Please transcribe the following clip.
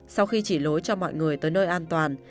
sau khi chỉ lối cho mọi người tới nơi an toàn